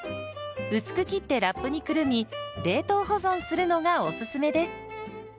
薄く切ってラップにくるみ冷凍保存するのがおすすめです。